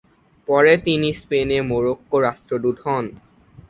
পরে তিনি স্পেনে মরোক্কোর রাষ্ট্রদূত হন।